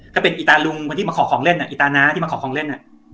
ก็เป็นอีตาลุงคนที่มาขอของเล่นอีตาน้าที่มาขอของเล่น